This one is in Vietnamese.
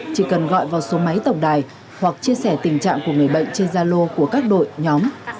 chỉ cần gọi vào số máy tổng đài hoặc chia sẻ tình trạng của người bệnh trên gia lô của các đội nhóm